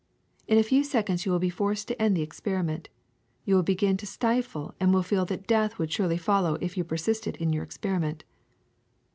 In a few seconds you will be forced to end the experiment ; you will begin to stifle and will feel that death would surely follow if you persisted in your experiment.